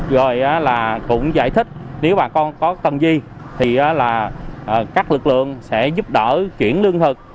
rồi cũng giải thích nếu bà con có cần gì thì các lực lượng sẽ giúp đỡ chuyển lương thực